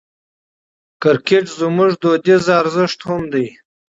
کرکټ زموږ فرهنګي ارزښت هم دئ.